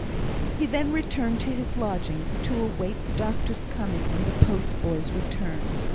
He then returned to his lodgings, to await the doctor's coming and the post boy's return.